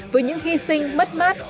với những hy sinh mất mát